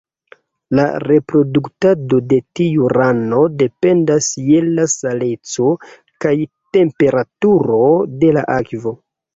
La reproduktado de tiu rano dependas je la saleco kaj temperaturo de la akvo.